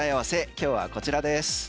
今日はこちらです。